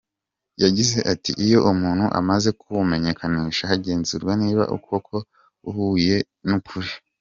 Yagize ati “Iyo umuntu amaze kuwumenyakanisha, hagenzurwa niba koko uhuye n’ukuri.